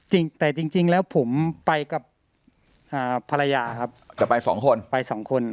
จริงแต่จริงจริงแล้วผมไปกับอ่าภรรยาครับจะไปสองคนไปสองคน